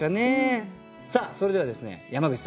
さあそれではですね山口さん